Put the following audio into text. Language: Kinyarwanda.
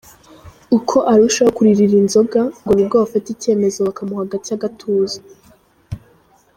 Uko arushaho kuririra inzoga ngo nibwo bafata icyemezo bakamuha gacye agatuza.